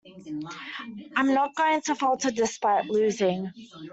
I'm not going to falter despite losing.